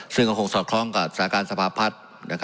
ซึ่งก็คงสอดคล้องกับสถานการณ์สภาพพัฒน์